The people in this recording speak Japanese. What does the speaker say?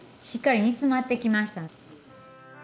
しっかり煮詰まってきました。